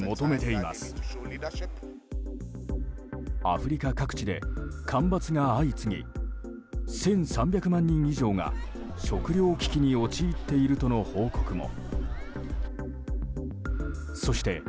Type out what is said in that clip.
アフリカ各地で干ばつが相次ぎ１３００万人以上が食糧危機に陥っているとの報告も。